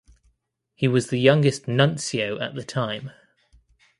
He was the youngest nuncio at the time.